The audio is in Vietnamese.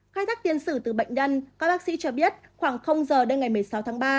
khai thác tiên sử từ bệnh nhân các bác sĩ cho biết khoảng giờ đêm ngày một mươi sáu tháng ba